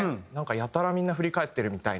やたらみんな振り返ってるみたいな。